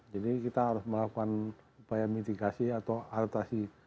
jadi kita harus melakukan upaya mitigasi atau aritasi